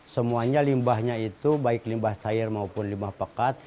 semuanya limbahnya itu baik limbah cair maupun limbah pekat